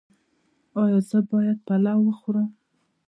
ایا زه باید پلاو وخورم؟